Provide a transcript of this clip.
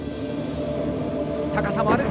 高さもある。